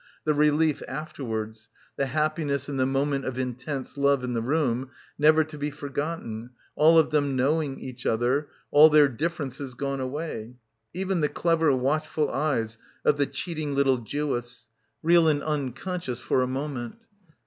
. the relief afterwards, the happi ness and the moment of intense love in the room — never to be forgotten, all of them knowing each other, all their differences gone away, even the clever watchful eyes of the cheating little Jewess, real and unconscious for a moment.